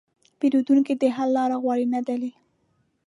پیرودونکی د حل لاره غواړي، نه دلیل.